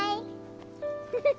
フフフ。